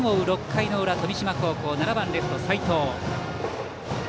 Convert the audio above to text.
６回の裏、富島高校打席には７番レフト、齊藤。